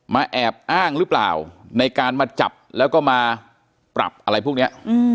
แอบอ้างหรือเปล่าในการมาจับแล้วก็มาปรับอะไรพวกนี้